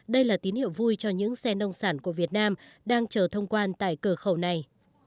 đây là tín hiệu vui cho những xe nông sản của việt nam đang chờ thông quan tại cửa khẩu này